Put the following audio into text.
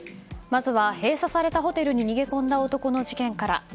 まずは、閉鎖されたホテルに逃げ込んだ男の事件から。